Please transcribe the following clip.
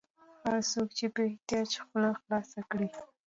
هر څوک چې په احتیاج خوله خلاصه کړي.